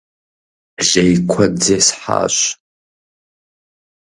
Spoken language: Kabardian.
Лей куэд зесхьащ.